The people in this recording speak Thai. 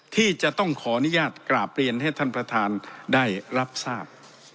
ที่จะต้องขออนุญาตกราบเรียนให้ท่านประธานได้รับทราบ